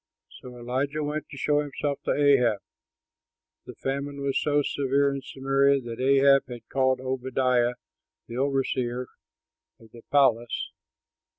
So Elijah went to show himself to Ahab. The famine was so severe in Samaria that Ahab had called Obadiah, the overseer of the palace.